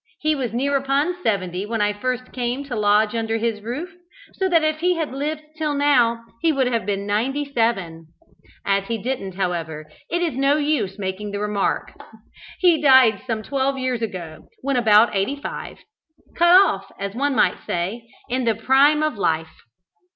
He was near upon seventy when I first came to lodge under his roof, so that if he had lived till now he would have been ninety seven. As he didn't, however, it is no use making the remark. He died some twelve years ago, when about eighty five; cut off, as one may say, in the prime of life.